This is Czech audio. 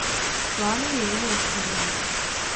V plánu je jeho rozšíření.